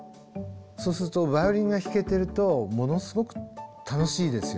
そうするとバイオリンが弾けてるとものすごく楽しいですよ。